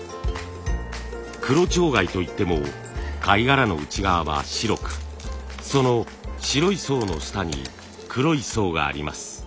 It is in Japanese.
黒蝶貝といっても貝殻の内側は白くその白い層の下に黒い層があります。